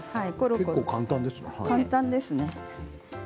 結構、簡単ですね。